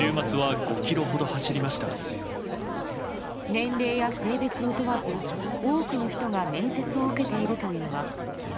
年齢や性別を問わず多くの人が面接を受けているといいます。